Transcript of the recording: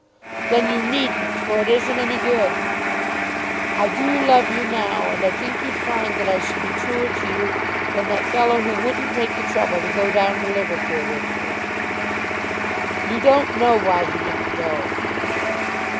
"Then you needn't; for it isn't any good." "I do love you now, and I think you'd find that I should be truer to you than that fellow who wouldn't take the trouble to go down to Liverpool with you." "You don't know why he didn't go."